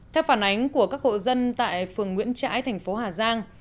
theo phản ánh của các hộ dân tại phường nguyễn trãi thành phố hà giang